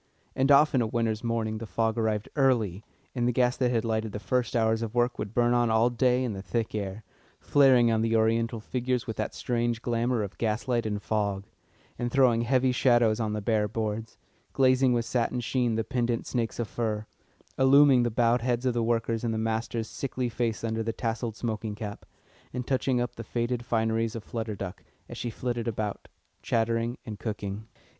And often of a winter's morning the fog arrived early, and the gas that had lighted the first hours of work would burn on all day in the thick air, flaring on the Oriental figures with that strange glamour of gas light in fog, and throwing heavy shadows on the bare boards; glazing with satin sheen the pendent snakes of fur, illuming the bowed heads of the workers and the master's sickly face under the tasselled smoking cap, and touching up the faded fineries of Flutter Duck, as she flitted about, chattering and cooking.